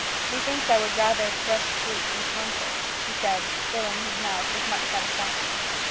"Methinks I would rather fresh fruit than conserves," said he, filling his mouth with much satisfaction.